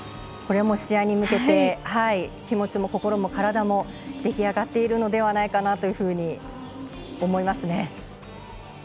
これはもう試合に向けて気持ちも心も体も出来上がっているのではないかなというふうに思いますね。